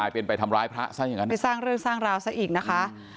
ไปสร้างเรื่องสร้างราวซะอีกนะคะ